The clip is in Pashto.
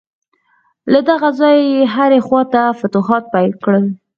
له دغه ځایه یې هرې خواته فتوحات پیل کړل.